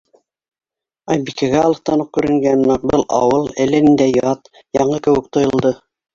Айбикәгә алыҫтан уҡ күренгән был ауыл әллә ниндәй ят, яңы кеүек тойолдо.